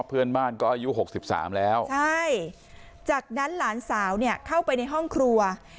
เพื่อนบ้านอายุ๖๓แล้วจากนั้นหลานสาวเข้าไปฮ่องครัว